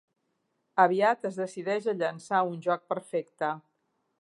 Aviat es decideix a llançar un joc perfecte.